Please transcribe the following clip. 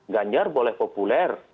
ganjar boleh populer